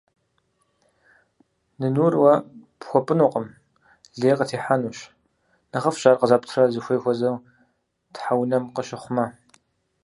Нынур уэ пхуэпӀынукъым, лей къытехьэнущ. НэхъыфӀщ ар къызэптрэ зыхуей хуэзэу тхьэунэм къыщыхъумэ.